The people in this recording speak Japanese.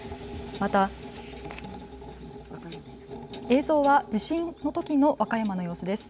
また、映像は地震のときの和歌山の様子です。